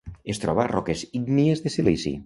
Es troba a roques ígnies de silici.